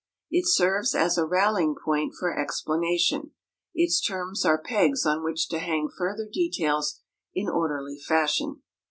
It serves as a rallying point for explanation; its terms are pegs on which to hang further details in orderly fashion.